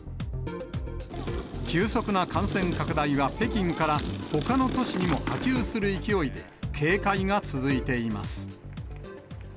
急速な感染拡大は、北京からほかの都市にも波及する勢いで、警戒が続いています。